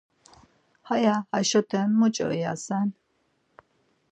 Haya haşoten muç̌o ivasen.